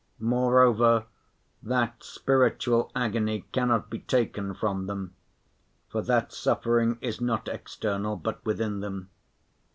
Moreover, that spiritual agony cannot be taken from them, for that suffering is not external but within them.